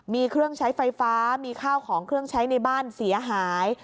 มีเครื่องใช้ไฟฟ้ามีข้าวของเครื่องใช้ในบ้านเสียหาย